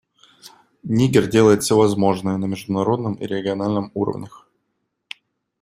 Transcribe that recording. Нигер делает все возможное на международном и региональном уровнях.